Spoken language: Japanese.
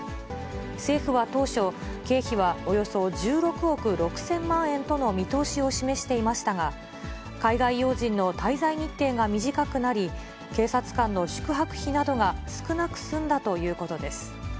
政府は当初、経費はおよそ１６億６０００万円との見通しを示していましたが、海外要人の滞在日程が短くなり、警察官の宿泊費などが少なく済んだということです。